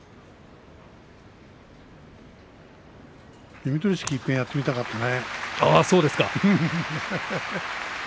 弓取式いっぺん、やってみたかったね。